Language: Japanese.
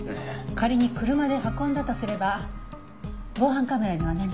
仮に車で運んだとすれば防犯カメラには何か？